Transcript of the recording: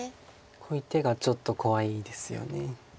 こういう手がちょっと怖いですよね。